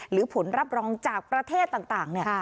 หรือผลรับรองจากประเทศต่าง